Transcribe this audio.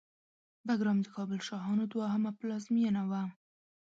بګرام د کابل شاهانو دوهمه پلازمېنه وه